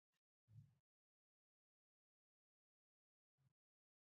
پسه له ماشوم سره اړیکه جوړوي.